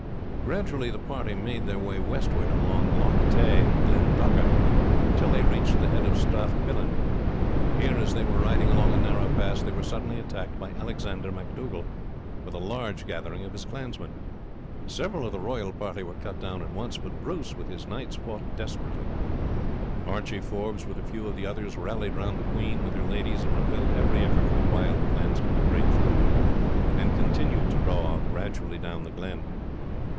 Gradually the party made their way westward along Loch Tay and Glen Dochart until they reached the head of Strathfillan; here, as they were riding along a narrow pass, they were suddenly attacked by Alexander MacDougall with a large gathering of his clansmen. Several of the royal party were cut down at once, but Bruce with his knights fought desperately. Archie Forbes with a few of the others rallied round the queen with her ladies, and repelled every effort of the wild clansmen to break through, and continued to draw off gradually down the glen.